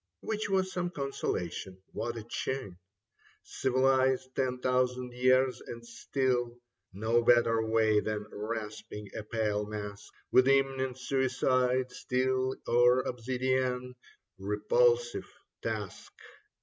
Which was some consolation. What a chin ! Civilized ten thousand years, and still No better way than rasping a pale mask With imminent suicide, steel or obsidian : Repulsive task